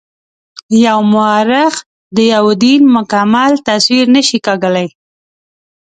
یو مورخ د یوه دین مکمل تصویر نه شي کاږلای.